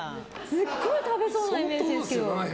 すごい食べそうなイメージですけど。